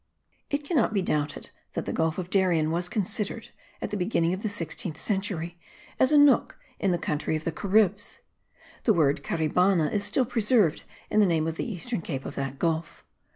It cannot be doubted that the Gulf of Darien was considered, at the beginning of the sixteenth century, as a nook in the country of the Caribs. The word Caribana is still preserved in the name of the eastern cape of that gulf.